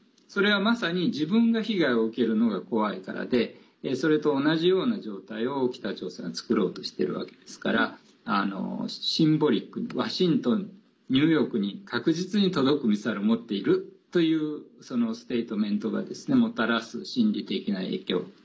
それは、まさに自分が被害を受けるのが怖いからでそれと同じような状態を北朝鮮が作ろうとしているわけですからシンボリックにワシントン、ニューヨークに確実に届くミサイルを持っているというステートメントがもたらす心理的な影響